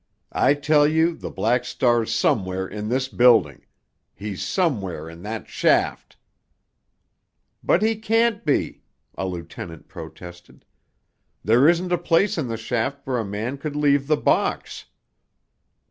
I tell you the Black Star's somewhere in this building. He's somewhere in that shaft——" "But he can't be," a lieutenant protested. "There isn't a place in the shaft where a man could leave the box."